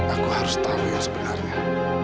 aku harus tahu yang sebenarnya